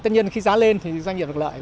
tất nhiên khi giá lên thì doanh nghiệp được lợi